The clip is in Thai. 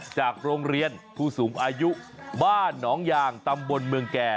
จากโรงเรียนผู้สูงอายุบ้านหนองยางตำบลเมืองแก่